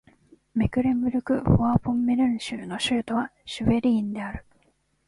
メクレンブルク＝フォアポンメルン州の州都はシュヴェリーンである